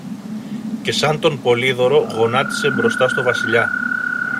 και σαν τον Πολύδωρο γονάτισε μπροστά στο Βασιλιά.